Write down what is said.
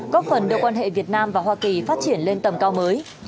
góp phần đưa quan hệ việt nam và hoa kỳ phát triển lên tầm cao mới